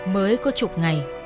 mới có chục ngày